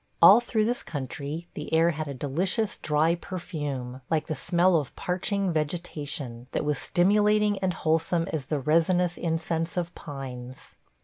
All through this country the air had a delicious dry perfume, like the smell of parching vegetation, that was stimulating and wholesome as the resinous incense of pines.